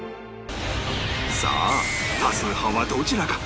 さあ多数派はどちらか？